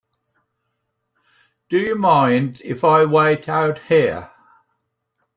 Do you mind if I wait out here?